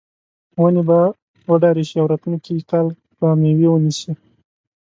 ونې به وډارې شي او راتلونکي کال به میوه ونیسي.